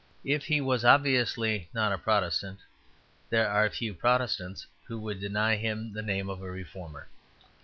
If he was obviously not a Protestant, there are few Protestants who would deny him the name of a Reformer.